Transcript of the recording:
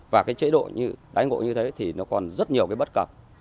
và chế độ đánh ngộ như thế thì nó còn rất nhiều bất cập